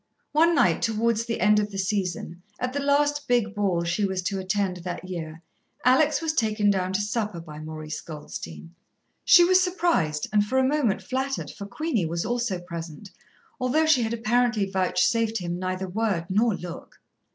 One night, towards the end of the season, at the last big ball she was to attend that year, Alex was taken down to supper by Maurice Goldstein. She was surprised, and for a moment flattered, for Queenie was also present, although she had apparently vouchsafed him neither word nor look.